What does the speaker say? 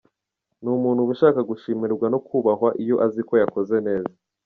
Ni umuntu ubu ushaka gushimirwa no kubahwa iyo aziko yakoze neza.